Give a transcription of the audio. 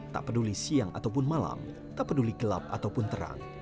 tak peduli siang ataupun malam tak peduli gelap ataupun terang